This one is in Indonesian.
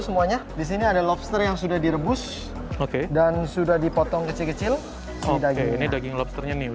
semuanya disini ada lobster yang sudah direbus oke dan sudah dipotong kecil kecil dagingnya